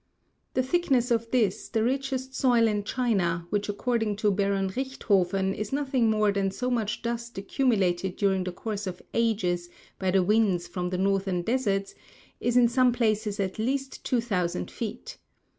The thickness of this the richest soil in China, which according to Baron Richthofen is nothing more than so much dust accumulated during the course of ages by the winds from the northern deserts, is in some places at least two thousand feet.